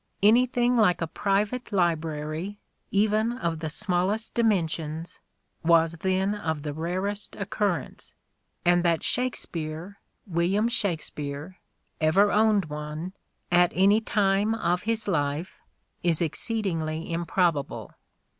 " Anything like a private library, even of the smallest dimensions, was then of the rarest occurrence, and that Shakespeare (William Shakspere) ever owned one, at any time of his life, is exceedingly improbable."